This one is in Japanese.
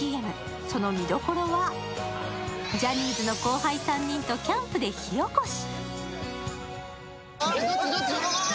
その見どころは、ジャニーズの後輩３人とキャンプで火起こし。